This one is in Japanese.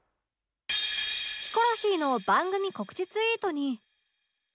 ヒコロヒーの番組告知ツイートに